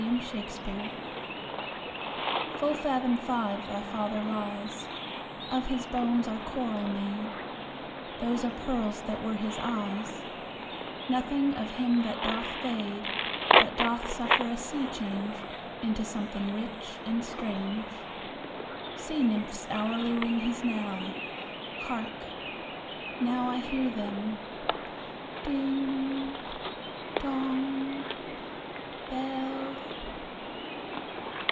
A Sea Dirge FULL fathom five thy father lies:Of his bones are coral made; Those are pearls that were his eyes:Nothing of him that doth fadeBut doth suffer a sea changeInto something rich and strange. Sea nymphs hourly ring his knell:Hark! now I hear them,—Ding dong, bell.